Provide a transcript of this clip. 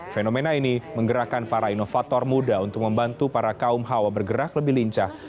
fenomena ini menggerakkan para inovator muda untuk membantu para kaum hawa bergerak lebih lincah